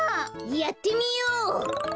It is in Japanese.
やってみよう！